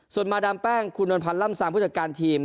ส่วนมาดามแป้งคุณนวลพันธ์ล่ำซามผู้จัดการทีม